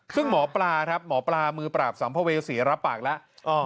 ซึ่งหมอปลามือปราบสัมภเวษีรับปากแล้ว